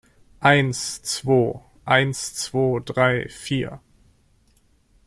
Eins zwo, eins zwo drei vier!